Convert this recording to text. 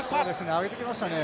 上げてきましたね